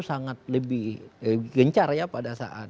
sangat lebih gencar ya pada saat